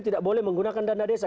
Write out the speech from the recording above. tidak boleh menggunakan dana desa